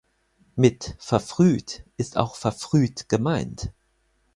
Mit "verfrüht" ist auch "verfrüht" gemeint.